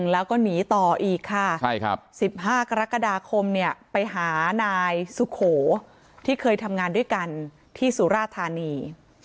แล้วก็หนีต่ออีกค่ะ๑๕กรกฎาคมไปหานายสุโขที่เคยทำงานด้วยกันที่สุราธานี